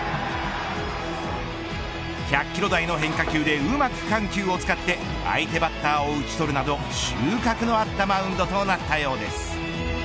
１００キロ台の変化球でうまく緩急を使って相手バッターを打ち取るなど収穫のあったマウンドとなったようです。